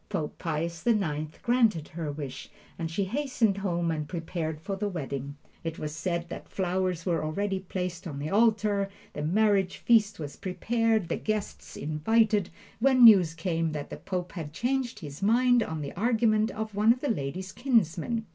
Pope Pius the Ninth granted her wish, and she hastened home and prepared for the wedding. It was said that flowers were already placed on the altar, the marriage feast was prepared, the guests invited, when news came that the Pope had changed his mind on the argument of one of the lady's kinsmen.